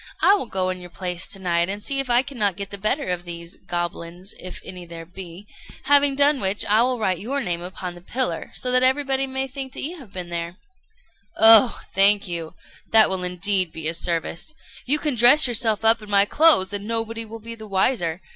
I will go in your place to night, and see if I cannot get the better of these goblins, if any there be, having done which, I will write your name upon the pillar, so that everybody may think that you have been there." [Footnote 45: Foxes, badgers, and cats. See the stories respecting their tricks.] "Oh! thank you: that will indeed be a service. You can dress yourself up in my clothes, and nobody will be the wiser.